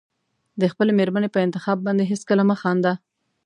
د خپلې مېرمنې په انتخاب باندې هېڅکله مه خانده.